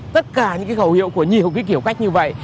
tất cả những cái khẩu hiệu của nhiều cái kiểu cách như vậy